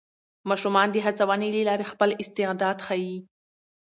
ماشومان د هڅونې له لارې خپل استعداد ښيي